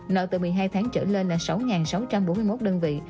nợ từ một mươi hai tháng trở lên là sáu sáu trăm bốn mươi một đơn vị